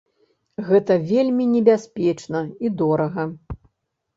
Гэта вельмі небяспечна і дорага.